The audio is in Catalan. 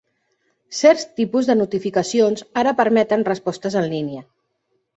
Certs tipus de notificacions ara permeten respostes en línia.